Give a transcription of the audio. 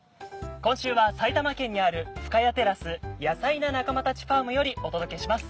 今週は埼玉県にある深谷テラスヤサイな仲間たちファームよりお届けします。